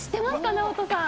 ＮＡＯＴＯさん。